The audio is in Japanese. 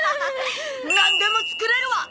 なんでも作れるわ！